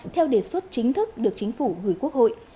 theo đề xuất chính thức được chính phủ gửi quốc hội